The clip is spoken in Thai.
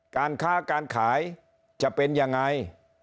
การค้าการขายจะเป็นยังไง